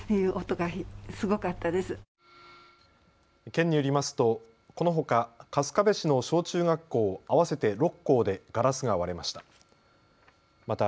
県によりますますとこのほか春日部市の小中学校合わせて６校でガラスが割れました。